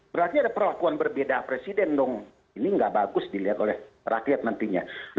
berarti ada perlakuan berbeda presiden dong ini nggak bagus dilihat oleh rakyat nantinya